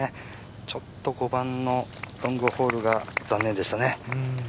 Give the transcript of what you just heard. ちょっと５番のロングホールが残念でしたね。